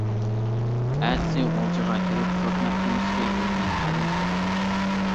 ئەتىسى غۇلجىغا كېرىپ، سوت مەھكىمىسىگە ئۆزىنى مەلۇم قىلىدۇ.